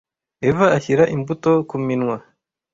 eva ashyira imbuto ku minwa